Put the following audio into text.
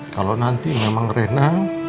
kalau nanti memang rena